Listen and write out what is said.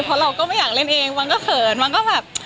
เพราะเราก็ไม่อยากเล่นเองมันก็เขินมันก็แบบ